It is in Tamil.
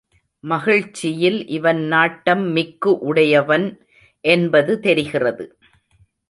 மகிழ்ச்சியில் இவன் நாட்டம் மிக்கு உடையவன் என்பது தெரிகிறது.